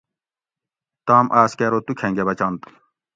تام آس کہ ارو تو کھنگہ بچنت؟